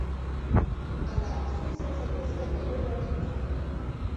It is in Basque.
Ala zu izan zaitezke beldur hori duzuna.